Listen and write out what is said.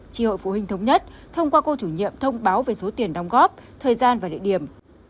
tri hội phụ huynh thống nhất thông qua cô chủ nhiệm thông báo về số tiền đóng góp thời gian và địa điểm